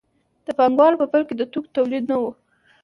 د پانګوالۍ په پیل کې د توکو تولید نه و.